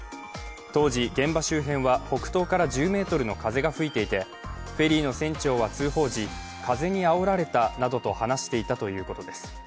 当時、現場周辺は北東から１０メートルの風が吹いていてフェリーの船長は通報時風にあおられたなどと話していたということです。